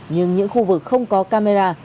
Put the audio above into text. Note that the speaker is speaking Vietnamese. nhưng những khu vực không có camera